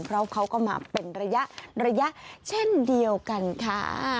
เพราะเขาก็มาเป็นระยะระยะเช่นเดียวกันค่ะ